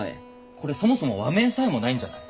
これそもそも和名さえもないんじゃない？